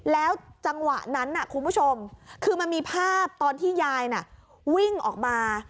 แล้วจังหวะนั้นคุณผู้ชมคือมันมีภาพตอนที่ยายน่ะวิ่งออกมา